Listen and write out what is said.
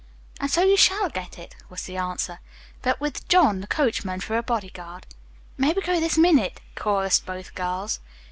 "And so you shall get it," was the answer, "but with John, the coachman, for a bodyguard." "May we go this minute?" chorused both girls.